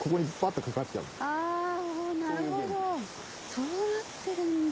そうなってるんだ。